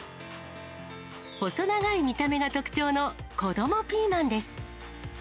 細長い見た目が特徴のこどもピーマンです。